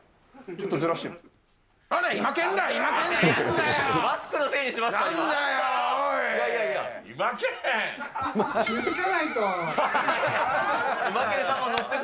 ちょっとずらしてみて。